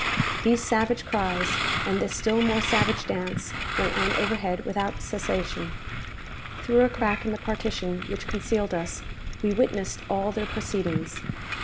These savage cries, and this still more savage dance, went on overhead without cessation. Through a crack in the partition which concealed us, we witnessed all their proceedings.